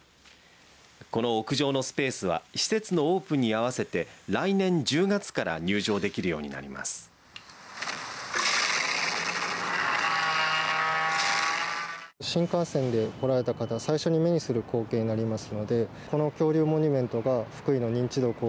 この屋上のスペースは施設のオープンに合わせて来年１０月から入場できるようになります。